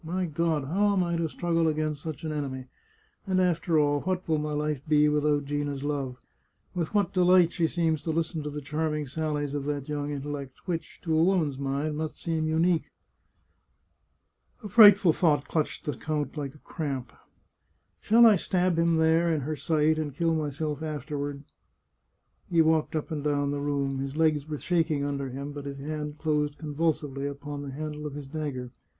My God, how am I to struggle against such an enemy ? And after all, what will my life be without Gina's love? With what delight she seems to listen to the charming sallies of that young intellect, which, to a woman's mind, must seem unique !" A frightful thought clutched the count like a cramp. " Shall I stab him there, in her sight, and kill myself after ward ?" He walked up and down the room ; his legs were shaking under him, but his hand closed convulsively upon the handle of his dagger.